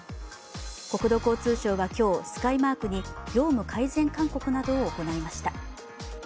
国土交通省は今日、スカイマークに業務改善勧告なとどを行いました。